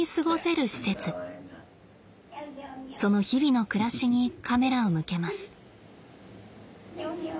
その日々の暮らしにカメラを向けます。